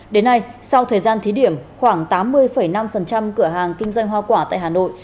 đến nay sau thời gian thí điểm khoảng tám mươi năm cửa hàng kinh doanh hoa quả tại hà nội